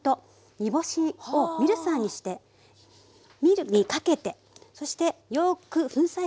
煮干しをミルサーにしてミルにかけてそしてよく粉砕してあります。